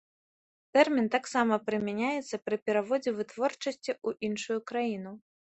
Тэрмін таксама прымяняецца пры пераводзе вытворчасці ў іншую краіну.